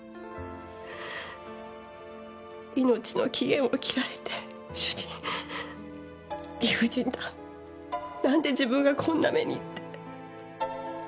命の期限を切られて主人理不尽だなんで自分がこんな目にって。